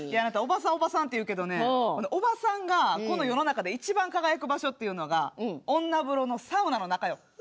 おばさんって言うけどおばさんが世の中で一番、輝く場所っていうのが女風呂のサウナの中やぞ。